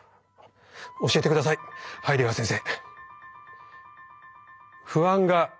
教えて下さいハイデガー先生。